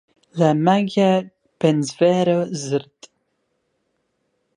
La Magyar Pénzverő Zrt.